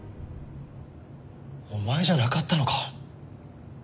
お前じゃなかったのか。